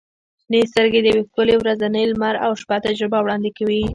• شنې سترګې د یوې ښکلي ورځنۍ لمر او شپه تجربه وړاندې کوي.